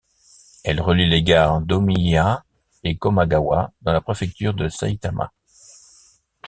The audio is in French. Elle relie les gares d'Ōmiya et Komagawa dans la préfecture de Saitama.